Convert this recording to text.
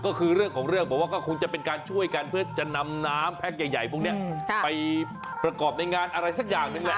ก็คือเรื่องของเรื่องบอกว่าก็คงจะเป็นการช่วยกันเพื่อจะนำน้ำแพ็คใหญ่พวกนี้ไปประกอบในงานอะไรสักอย่างหนึ่งแหละ